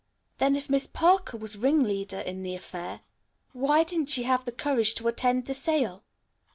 "Then if Miss Parker was ringleader in the affair, why didn't she have the courage to attend the sale?"